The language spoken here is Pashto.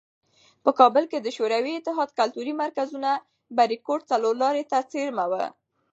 په کابل کې د شوروي اتحاد کلتوري مرکز "بریکوټ" څلورلارې ته څېرمه و.